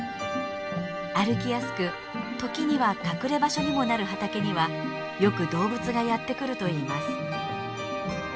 歩きやすく時には隠れ場所にもなる畑にはよく動物がやって来るといいます。